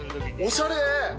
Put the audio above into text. おしゃれ。